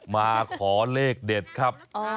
มาขอเลขเด็ดครับ